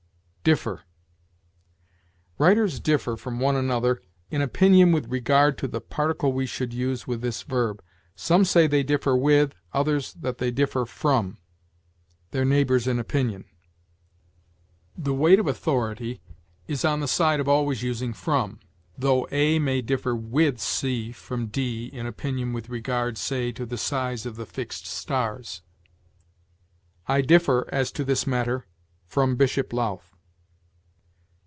DIFFER. Writers differ from one another in opinion with regard to the particle we should use with this verb. Some say they differ with, others that they differ from, their neighbors in opinion. The weight of authority is on the side of always using from, though A may differ with C from D in opinion with regard, say, to the size of the fixed stars. "I differ, as to this matter, from Bishop Lowth."